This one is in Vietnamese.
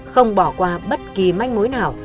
không bỏ qua bất kỳ manh mối nào